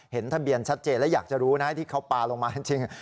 เห็นทะเบียนชัดเจนและอยากจะรู้นะที่เขาปลาลงมาจริง